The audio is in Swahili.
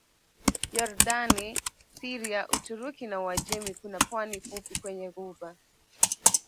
Yordani Syria Uturuki na Uajemi Kuna pwani fupi kwenye Ghuba